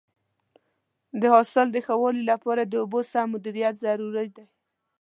د حاصل د ښه والي لپاره د اوبو سم مدیریت ضروري دی.